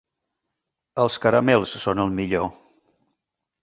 Els caramels són el millor.